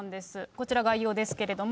こちら、概要ですけれども。